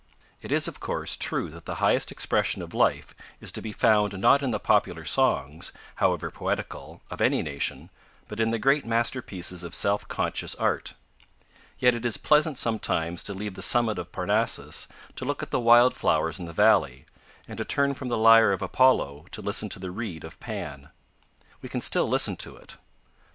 It is, of course, true that the highest expression of life is to be found not in the popular songs, however poetical, of any nation, but in the great masterpieces of self conscious Art; yet it is pleasant sometimes to leave the summit of Parnassus to look at the wild flowers in the valley, and to turn from the lyre of Apollo to listen to the reed of Pan. We can still listen to it.